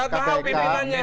nggak tahu pimpinannya